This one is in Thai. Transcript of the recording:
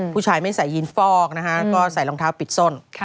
ผู้ชายไม่ใส่ยีนฟอกนะฮะก็ใส่รองเท้าปิดส้น